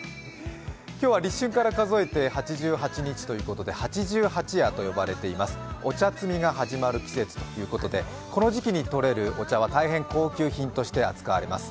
今日は立春から数えて８８日ということで八十八夜と言われています、お茶摘みが始まる季節ということでこの時期にとれる、お茶は大変高級品として扱われます。